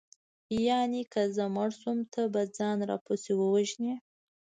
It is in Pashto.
یانې که زه مړه شوم ته به ځان راپسې ووژنې